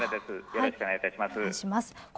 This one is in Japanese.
よろしくお願いします。